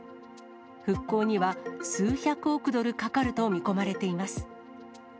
復興には数百億ドルかかると見込まれています。